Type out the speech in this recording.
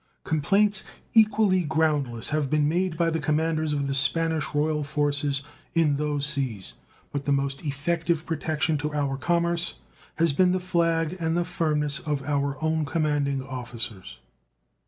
Complaints equally groundless have been made by the commanders of the Spanish royal forces in those seas; but the most effective protection to our commerce has been the flag and the firmness of our own commanding officers.